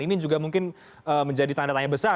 ini juga mungkin menjadi tanda tanya besar